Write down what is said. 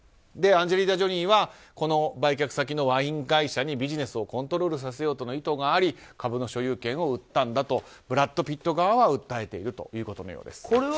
アンジェリーナ・ジョリーは売却先のワイン会社にビジネスをコントロールさせようという意図があり株の所有権を売ったんだとブラッド・ピット側は訴えているということのようです。